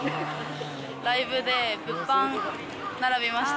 ライブで物販、並びました。